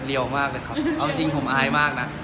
มากเลยครับเอาจริงผมอายมากนะ